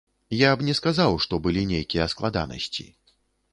Я б не сказаў, што былі нейкія складанасці.